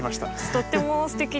とってもすてきです。